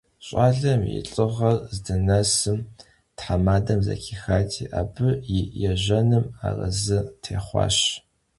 Ş'alem yi lh'ığer zdınesır themadem zexixati, abı yi yêjenım arezı têxhuaş.